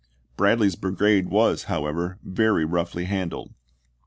Bradley's brigade was, however, very roughly handled.